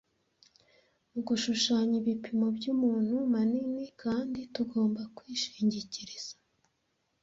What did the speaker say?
Mugushushanya ibipimo byumuntu-manini kandi tugomba kwishingikiriza